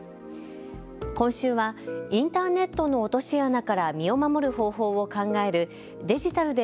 今週はインターネットの落とし穴から身を守る方法を考えるデジタルで！